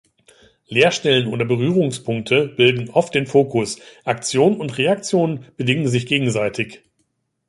Leerstellen oder Berührungspunkte bilden oft den Fokus, Aktion und Reaktion bedingen sich gegenseitig.